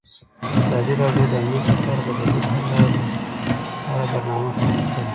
ازادي راډیو د امنیت لپاره د بدیل حل لارې په اړه برنامه خپاره کړې.